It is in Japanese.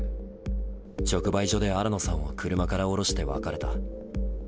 直売所で新野さんを車から降ろして別れた。